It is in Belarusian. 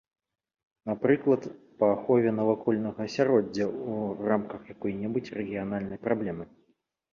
Напрыклад, па ахове навакольнага асяроддзя ў рамках якой-небудзь рэгіянальнай праблемы.